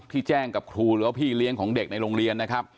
แจ้งกับครูหรือว่าพี่เลี้ยงของเด็กในโรงเรียนนะครับ